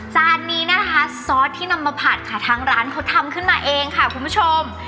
จานนี้นะคะซอสที่นำมาผัดค่ะทางร้านเขาทำขึ้นมาเองค่ะคุณผู้ชม